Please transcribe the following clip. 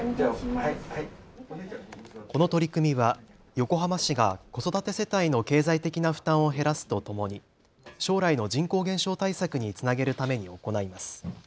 この取り組みは横浜市が子育て世帯の経済的な負担を減らすとともに将来の人口減少対策につなげるために行います。